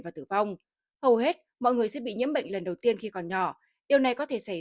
và tử vong hầu hết mọi người sẽ bị nhiễm bệnh lần đầu tiên khi còn nhỏ điều này có thể xảy ra